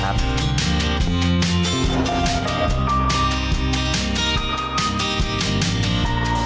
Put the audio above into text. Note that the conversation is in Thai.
กันดีกว่าครับ